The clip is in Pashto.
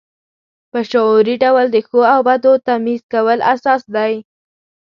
په شعوري ډول د ښو او بدو تمیز کول اساس دی.